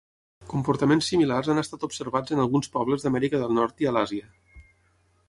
Comportaments similars han estat observats en alguns pobles d'Amèrica del Nord i a l'Àsia.